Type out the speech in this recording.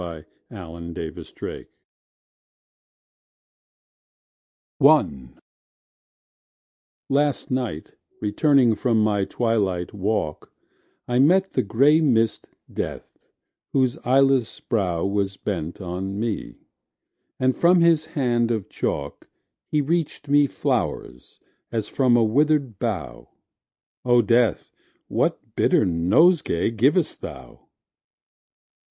A BALLAD OF PAST MERIDIAN I LAST night returning from my twilight walk I met the grey mist Death, whose eyeless brow Was bent on me, and from his hand of chalk He reached me flowers as from a withered bough: O Death, what bitter nosegays givest thou!